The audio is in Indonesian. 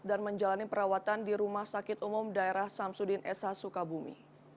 dan menjalani perawatan di rumah sakit umum daerah samsudin sh sukabumi